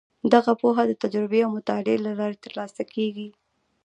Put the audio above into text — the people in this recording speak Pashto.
دغه پوهه د تجربې او مطالعې له لارې ترلاسه کیږي.